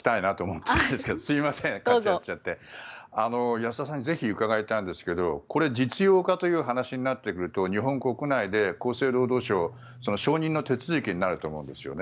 保田さんにぜひ伺いたいんですけど実用化という話になってくると日本国内で厚生労働省の承認の手続きになると思うんですね。